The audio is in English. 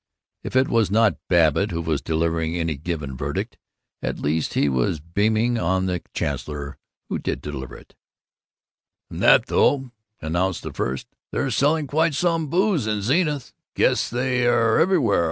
If it was not Babbitt who was delivering any given verdict, at least he was beaming on the chancellor who did deliver it. "At that, though," announced the first, "they're selling quite some booze in Zenith. Guess they are everywhere.